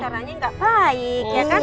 karena antaranya gak baik